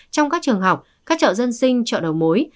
trong các trường học các chợ dân sinh chợ đầu mối